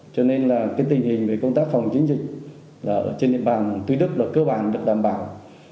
cho nên là cái tình hình về công tác phòng chống dịch ở trên địa bàn tuy đức là cơ bản được đảm bảo